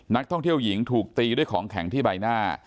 นักท่องเที่ยวหญิงถูกตีด้วยของแข็งที่ใบหน้า